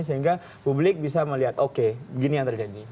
sehingga publik bisa melihat oke begini yang terjadi